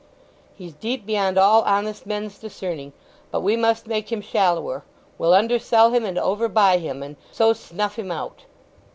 "He's deep beyond all honest men's discerning, but we must make him shallower. We'll undersell him, and over buy him, and so snuff him out."